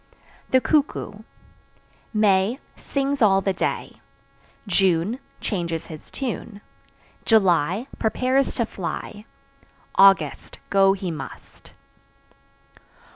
The Cuckoo. May sings all the day; June changes his tune; July prepares to fly; August go he must.